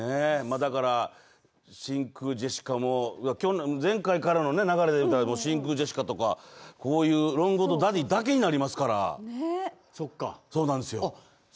だから、真空ジェシカも、前回からの流れで言ったら、真空ジェシカとか、こういう、ロングコートダディだけになりますから。